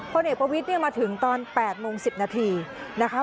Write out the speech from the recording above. พลเอกประวิดมาถึงตอน๘โมง๑๐นาทีนะคะ